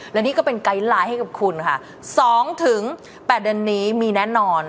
และนี่ก็เป็นไกด์ไลน์ให้กับคุณค่ะ๒๘เดือนนี้มีแน่นอน